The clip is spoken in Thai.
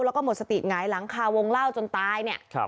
แล้วก็หมดสติหงายหลังคาวงเล่าจนตายเนี่ย